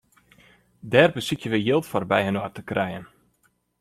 Dêr besykje we jild foar byinoar te krijen.